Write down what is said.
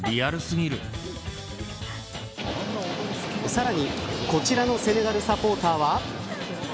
さらに、こちらのセネガルサポーターは。